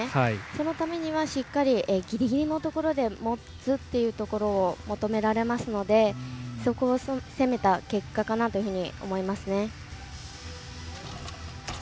そのためにはギリギリのところで持つっていうところを求められますのでそこを攻めた結果かなと思いますね。